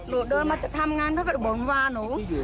เราก็เดินมาทำงานเขาก็บ่นว่านู่